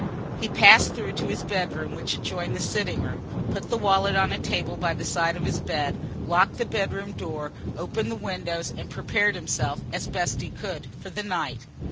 He passed through to his bedroom which adjoined the sitting room, put the wallet on a table by the side of his bed, locked the bedroom door, opened the windows and prepared himself, as best he could, for the night.